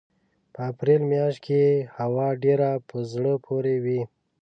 په اپرېل مياشت کې یې هوا ډېره په زړه پورې وي.